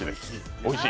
おいしい。